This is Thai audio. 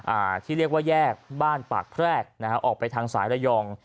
อ่าที่เรียกว่าแยกบ้านปากแพรกนะฮะออกไปทางสายระยอง